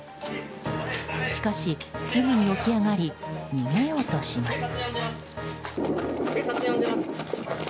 しかし、すぐに起き上がり逃げようとします。